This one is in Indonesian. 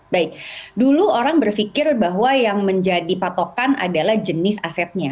baik dulu orang berpikir bahwa yang menjadi patokan adalah jenis asetnya